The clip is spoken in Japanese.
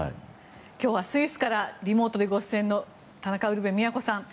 今日はスイスからリモートで出演の田中ウルヴェ京さん。